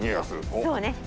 そうね。